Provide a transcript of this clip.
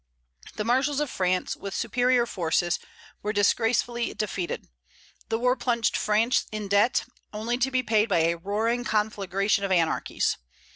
The marshals of France, with superior forces, were disgracefully defeated. The war plunged France in debt, only to be paid by a "roaring conflagration of anarchies."